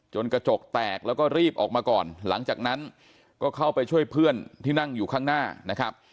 กระจกแตกแล้วก็รีบออกมาก่อนหลังจากนั้นก็เข้าไปช่วยเพื่อนที่นั่งอยู่ข้างหน้านะครับ